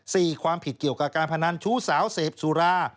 ความผิดเกี่ยวกับการพนันชู้สาวเสพสุรา